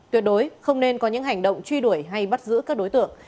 tuyệt đối không nên có những hành động truy đuổi hay bắt giữ các đối tượng